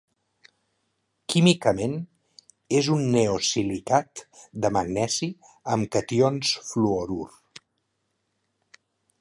Químicament és un nesosilicat de magnesi amb cations fluorur.